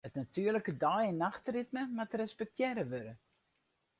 It natuerlike dei- en nachtritme moat respektearre wurde.